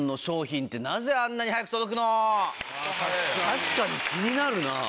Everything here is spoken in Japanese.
確かに気になるな。